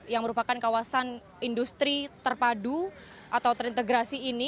yang merupakan kawasan industri terpadu atau terintegrasi ini